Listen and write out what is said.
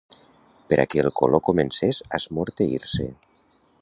...per a que el color comencés a esmorteir-se.